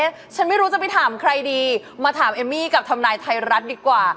แล้วเจ๊ฉันไม่รู้จะไปถามใครดีมาถามธรรมนายไทยรัฐดีกว่า